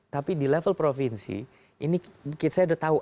tapi di level provinsi ini saya sudah tahu